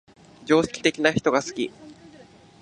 常識的な人が好き